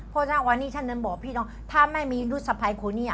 เพราะฉะนั้นวันนี้ฉันนั้นบอกพี่น้องถ้าไม่มีรุษภัยคนนี้